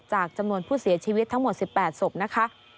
จำนวนผู้เสียชีวิตทั้งหมด๑๘ศพนะคะ